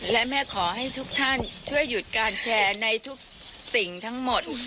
และแม่ขอให้ทุกท่านช่วยหยุดการแชร์ในทุกสิ่งทั้งหมด